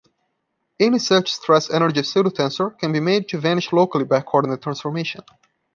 Any such stress-energy pseudotensor can be made to vanish locally by a coordinate transformation.